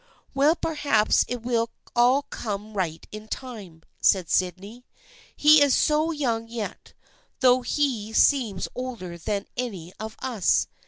" Well, perhaps it will all come right in time," said Sydney. " He is so young yet, though he seems older than any of us.